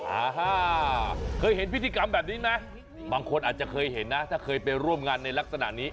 อ่าฮะเคยเห็นพิธีกรรมแบบนี้ไหมบางคนอาจจะเคยเห็นนะถ้าเคยไปร่วมงานในลักษณะนี้